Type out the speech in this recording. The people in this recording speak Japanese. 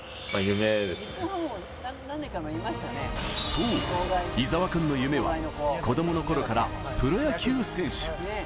そう、井澤君の夢は子供のころからプロ野球選手。